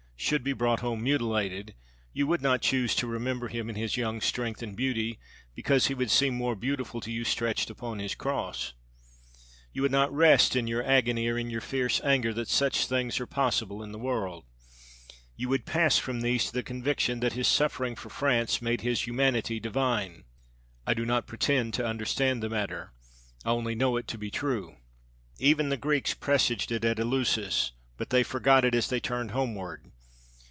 should be brought home mutilated, you would not choose to remember him in his young strength and beauty, because he would seem more beautiful to you stretched upon his cross. You would not rest in your agony, or in your fierce anger that such things are possible in the world. You would pass from these to the conviction that his suffering for France made his humanity divine. I do not pretend to understand the matter. I only know it to be true. Even the Greeks presaged it at Eleusis, but they forgot it as they turned homeward.